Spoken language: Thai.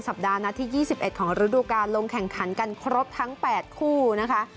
ปัดนัดที่๒๑ของฤดูการลงแข่งขันกันครบทั้ง๘คู่นะคะ